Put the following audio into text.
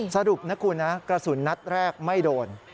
สรุปนะคุณนะกระสุนนัดแรกไม่โดน